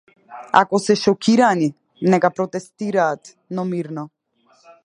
Ако се шокирани, нека протестираат, но мирно.